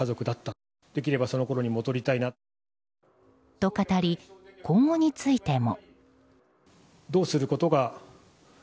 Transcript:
と、語り今後についても。